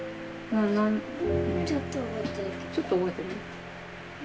ちょっと覚えてる？